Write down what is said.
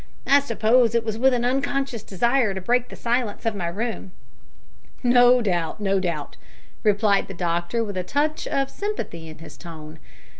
I suppose it was with an unconscious desire to break the silence of my room." "No doubt, no doubt," replied the doctor, with a touch of sympathy in his tone.